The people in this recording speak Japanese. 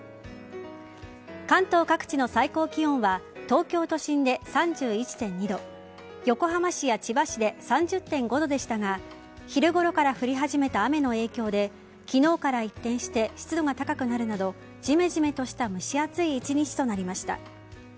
関東各地の最高気温は東京都心で３１．２度横浜市や千葉市で３０．５度でしたが昼頃から降り始めた雨の影響で昨日から一転して湿度が高くなるなどじめじめとした蒸し暑い１日となりました。